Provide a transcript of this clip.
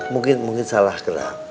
mungkin mungkin salah gerak